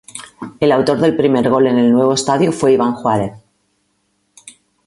El autor del primer gol en el nuevo estadio fue Iván Juárez.